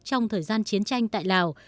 trong thời gian chiến tranh tại lào